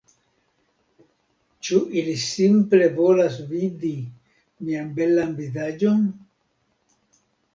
Ĉu ili simple volas vidi mian belan vizaĝon?